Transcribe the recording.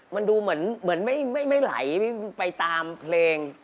มันดูเหมือนไม่ไหลไปตามเพลง